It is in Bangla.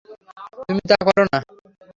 তুমি তা করো না।